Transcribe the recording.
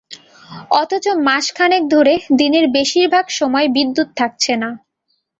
অথচ মাস খানেক ধরে দিনের বেশির ভাগ সময় বিদ্যুৎ থাকছে না।